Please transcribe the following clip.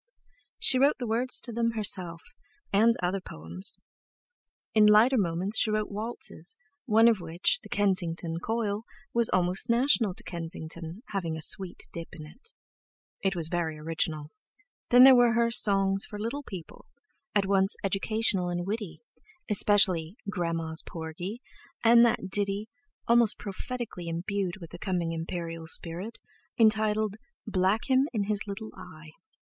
She wrote the words to them herself, and other poems. In lighter moments she wrote waltzes, one of which, the "Kensington Coil," was almost national to Kensington, having a sweet dip in it. Thus: It was very original. Then there were her "Songs for Little People," at once educational and witty, especially "Gran'ma's Porgie," and that ditty, almost prophetically imbued with the coming Imperial spirit, entitled "Black Him In His Little Eye."